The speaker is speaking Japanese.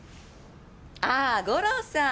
あっ五郎さん。